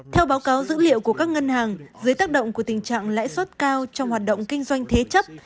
theo báo cáo dữ liệu của các ngân hàng dưới tác động của tình trạng lãi suất cao trong hoạt động kinh doanh thế chấp